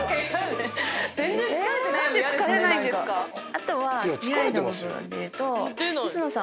あとは。